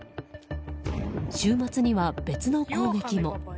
週末には別の攻撃も。